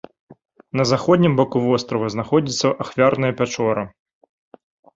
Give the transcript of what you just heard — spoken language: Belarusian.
На заходнім баку вострава знаходзіцца ахвярная пячора.